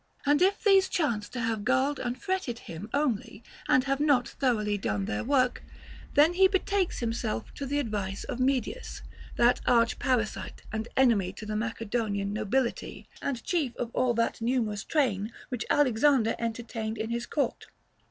And if these chance to have galled and fretted him only and have not thoroughly done their work, then he betakes himself to the advice of Medius, that arch parasite and enemy to the Macedonian nobility, and chief of all that numerous train which Alex ander entertained in his court.